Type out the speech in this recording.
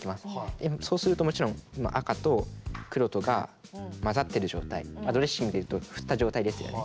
でそうするともちろん今赤と黒とが混ざってる状態ドレッシングで言うと振った状態ですよね。